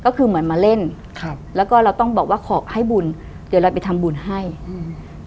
ก็คือเหมือนมาเล่นครับแล้วก็เราต้องบอกว่าขอให้บุญเดี๋ยวเราไปทำบุญให้อืม